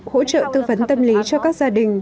hỗ trợ tư vấn tâm lý cho các gia đình